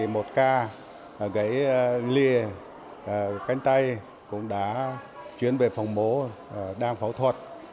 một ca gãy lìa cánh tay cũng đã chuyển về phòng bố đang phẫu thuật